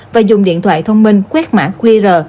và dùng điện thoại thông minh quét mã qr